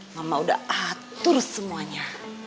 mama udah atur semuanya